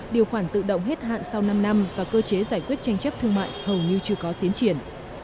điều khoản tự động hết hạn sau năm năm và cơ chế giải quyết tranh chấp thương mại hầu như chưa có tiến triển